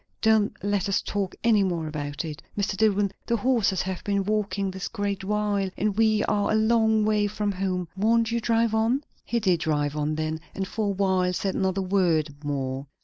Don't let us talk any more about it! Mr. Dillwyn, the horses have been walking this great while, and we are a long way from home; won't you drive on?" He did drive on then, and for a while said not a word more.